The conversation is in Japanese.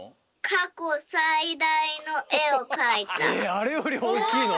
あれよりおおきいの？